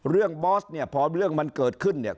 บอสเนี่ยพอเรื่องมันเกิดขึ้นเนี่ย